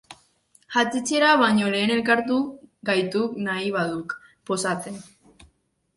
Jatetxera baino lehen elkartuko gaituk, nahi baduk, Pozasen.